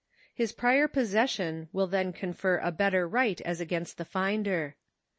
His prior possession will then confer a better right as against the finder.